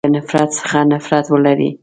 له نفرت څخه نفرت ولری.